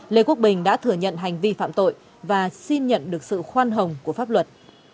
lê quốc bình đã thừa nhận hành vi phạm tội và xin nhận được sự khoan hồng của pháp luật